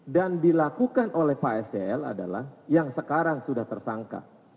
dan dilakukan oleh pak sel adalah yang sekarang sudah tersangka